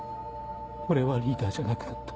俺はリーダーじゃなくなった。